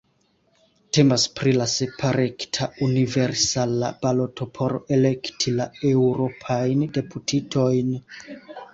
Temas pri la sepa rekta universala baloto por elekti la eŭropajn deputitojn.